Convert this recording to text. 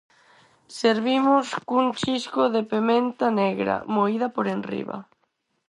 Servimos cun chisco de pementa negra moída por enriba.